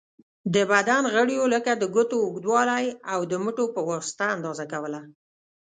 د بدن غړیو لکه د ګوتو اوږوالی، او د مټو په واسطه اندازه کوله.